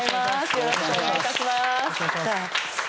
よろしくお願いします。